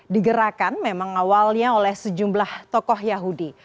digerakan memang awalnya oleh sejumlah tokoh yahudi